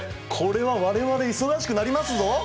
これは我々忙しくなりますぞ！